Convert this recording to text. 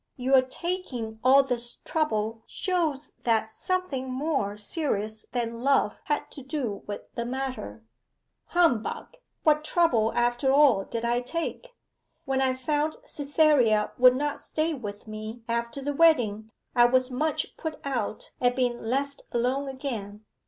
Your taking all this trouble shows that something more serious than love had to do with the matter.' 'Humbug what trouble after all did I take? When I found Cytherea would not stay with me after the wedding I was much put out at being left alone again.